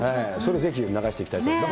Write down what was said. それをぜひ流していきたいと。